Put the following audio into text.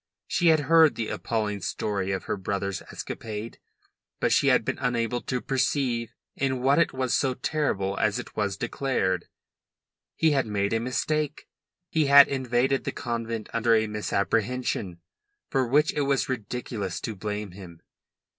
She had heard the appalling story of her brother's escapade, but she had been unable to perceive in what it was so terrible as it was declared. He had made a mistake. He had invaded the convent under a misapprehension, for which it was ridiculous to blame him.